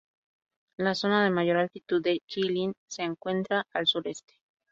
La zona de mayor altitud de Jilin se encuentra al sureste.